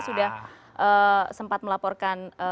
sudah sempat melaporkan